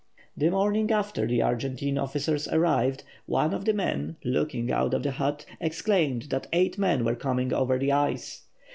The morning after the Argentine officers arrived, one of the men, looking out of the hut, exclaimed that eight men were coming over the ice.